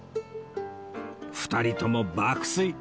２人とも爆睡！